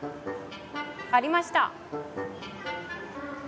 ありました！